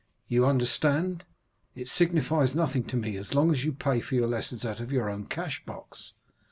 You understand, it signifies nothing to me so long as you pay for your lessons out of your own cash box.